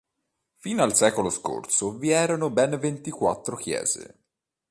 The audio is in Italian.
Fino al secolo scorso vi erano ben ventiquattro chiese.